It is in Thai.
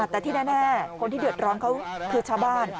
แต่ที่แน่คนที่เดือดร้อนเขาคือชาวบ้าน